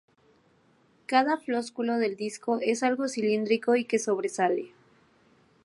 Cada flósculo del disco es algo cilíndrico y que sobresale.